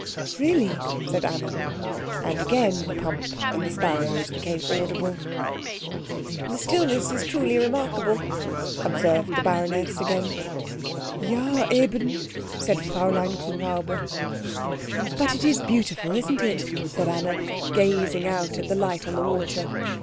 "Really?" said Anna; and again the pump and the sparrows became audible. "The stillness is truly remarkable," observed the baroness again. "Ja, eben," said Fräulein Kuhräuber. "But it is beautiful, isn't it," said Anna, gazing out at the light on the water.